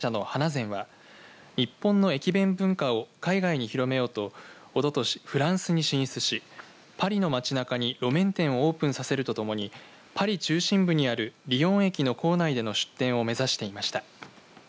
大館市で名物駅弁、鶏めしを製造販売している駅弁会社の花善は日本の駅弁文化を海外に広めようとおととしフランスに進出しパリの街なかに路面店をオープンさせるとともにパリ中心部にあるリヨン駅の構内での出店を目指していました。